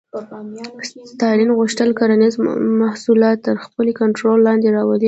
ستالین غوښتل کرنیز محصولات تر خپل کنټرول لاندې راولي